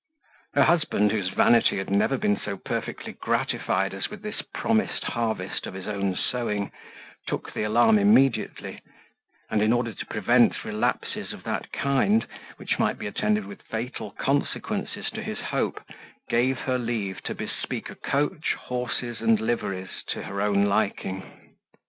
Her husband, whose vanity had never been so perfectly gratified as with this promised harvest of his own sowing, took the alarm immediately; and in order to prevent relapses of that kind, which might be attended with fatal consequence to his hope, gave her leave to bespeak a coach, horses, and liveries, to her own liking.